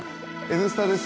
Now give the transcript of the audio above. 「Ｎスタ」です。